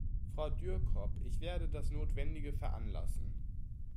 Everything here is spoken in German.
Frau Dührkop, ich werde das Notwendige veranlassen.